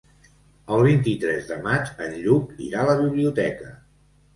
El vint-i-tres de maig en Lluc irà a la biblioteca.